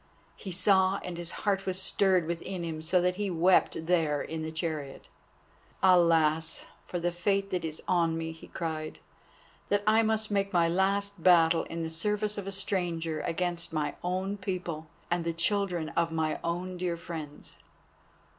He saw and his heart was stirred within him, so that he wept there in the chariot. "Alas! for the fate that is on me," he cried, "that I must make my last battle in the service of a stranger against my own people and the children of my own dear friends."